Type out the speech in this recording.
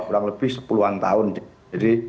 kurang lebih sepuluhan tahun jadi